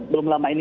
belum lama ini